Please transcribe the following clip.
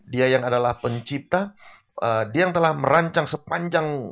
dia yang telah merancang sepanjang